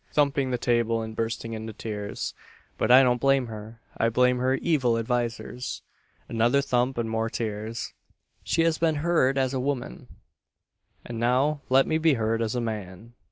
(Thumping the table and bursting into tears.) "But I don't blame her, I blame her evil advisers." (Another thump and more tears.) "She has been heard as a woman, and now let me be heard as a man!"